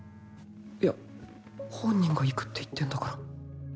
いや本人が行くって言ってんだから